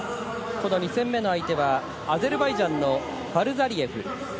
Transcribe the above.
２戦目の相手はアゼルバイジャンのファルザリエフ。